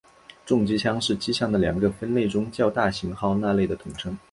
重机枪是机枪的两个分类中较大型号那类的统称。